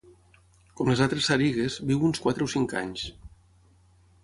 Com les altres sarigues, viu uns quatre o cinc anys.